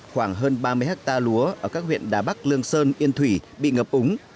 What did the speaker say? khoảng hơn ba mươi hectare lúa ở các huyện đà bắc lương sơn yên thủy bị ngập úng